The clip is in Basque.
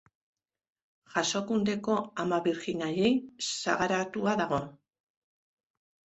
Jasokundeko Ama Birjinari sagaratua dago.